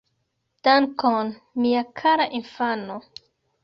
Dankon. Mia kara infano